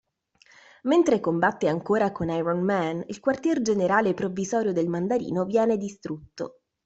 Mentre combatte ancora con Iron Man, il quartier generale provvisorio del Mandarino viene distrutto.